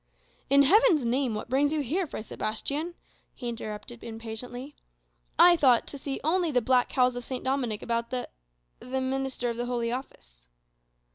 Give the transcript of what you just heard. "In Heaven's name, what brings you here, Fray Sebastian?" he interrupted impatiently. "I thought to see only the black cowls of St. Dominic about the the minister of the Holy Office."